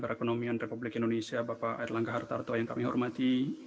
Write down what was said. perekonomian republik indonesia bapak erlangga hartarto yang kami hormati